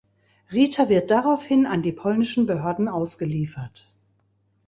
Rita wird daraufhin an die polnischen Behörden ausgeliefert.